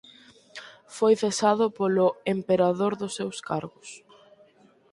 Foi cesado polo emperador dos seus cargos.